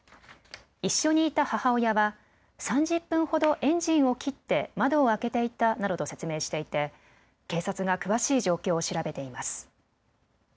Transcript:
一緒にいた母親は３０分ほどエンジンを切って窓を開けていたなどと説明していて警察が詳しい状況を調べています。